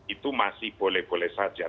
itu masih boleh boleh saja